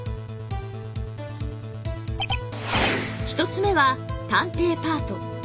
１つ目は「探偵」パート。